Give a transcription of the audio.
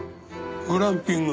グランピング？